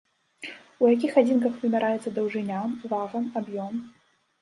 У якіх адзінках вымяраецца даўжыня, вага, аб'ём?